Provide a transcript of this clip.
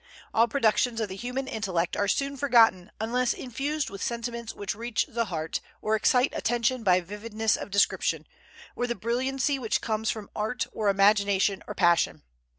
All productions of the human intellect are soon forgotten unless infused with sentiments which reach the heart, or excite attention by vividness of description, or the brilliancy which comes from art or imagination or passion.